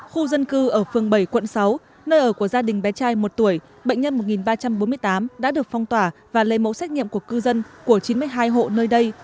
khu dân cư ở phường bảy quận sáu nơi ở của gia đình bé trai một tuổi bệnh nhân một ba trăm bốn mươi tám đã được phong tỏa và lấy mẫu xét nghiệm của cư dân của chín mươi hai hộ nơi đây